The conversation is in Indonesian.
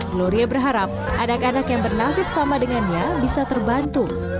gloria berharap anak anak yang bernasib sama dengannya bisa terbantu